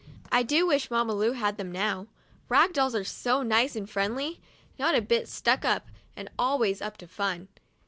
I do wish Mamma Lu had them now. Rag dolls are so nice and friendly — not a bit stuck up and always up to fun.